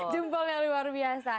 jempolnya luar biasa